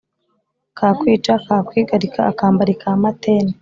Kakwica kakwigarika akambari ka Matene.